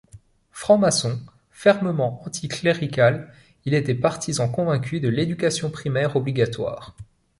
Franc-maçon, fermement anticlérical, il était partisan convaincu de l'éducation primaire obligatoire.